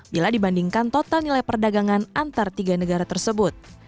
bila dibandingkan total nilai perdagangan antar tiga negara tersebut